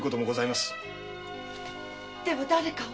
ではだれかを？